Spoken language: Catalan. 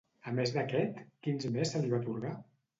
A més d'aquest, quins més se li va atorgar?